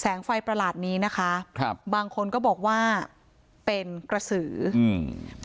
ไฟประหลาดนี้นะคะครับบางคนก็บอกว่าเป็นกระสืออืม